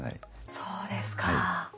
そうですか。